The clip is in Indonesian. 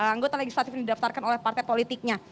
anggota legislatif ini didaftarkan oleh partai politiknya